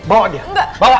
bawa dia bawa